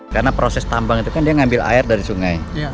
karena proses tambang itu kan dia ngambil air dari sungai